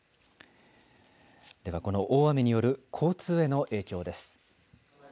では、この大雨による交通への影響です。